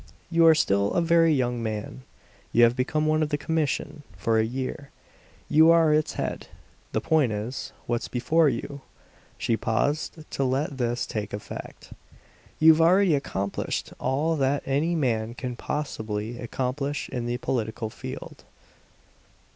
You are still a very young man; you have become one of the commission; for a year, you are its head. The point is, what's before you?" She paused to let this take effect. "You've already accomplished all that any man can possible accomplish in the political field.